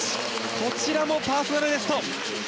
こちらもパーソナルベスト。